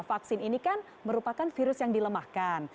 vaksin ini kan merupakan virus yang dilemahkan